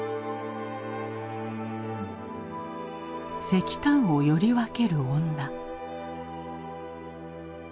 石炭をよりわける女。